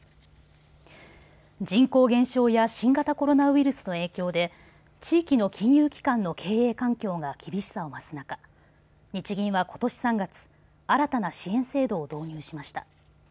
人口減少や新型コロナウイルスの影響で地域の金融機関の経営環境が厳しさを増す中日銀は、ことし３月新たな支援制度を導入しました。